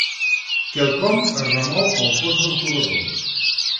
Quelcom es remou al fons del corredor.